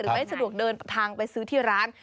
ไม่สะดวกเดินทางไปซื้อที่ร้าน